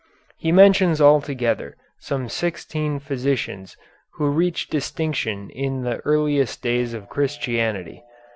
He mentions altogether some sixteen physicians who reached distinction in the earliest days of Christianity.